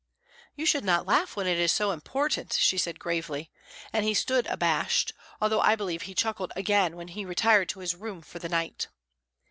"You should not laugh when it is so important," she said gravely; and he stood abashed, although I believe he chuckled again when he retired to his room for the night.